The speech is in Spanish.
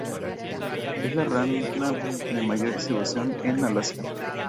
Es la rana de mayor distribución en Alaska.